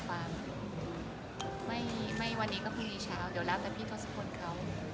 ไม่วันนี้ก็พรุ่งนี้เช้า